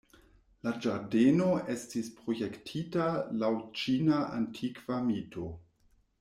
La ĝardeno estis projektita laŭ ĉina antikva mito.